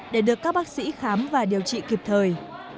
để được các bác sĩ khám và điều trị kịp thời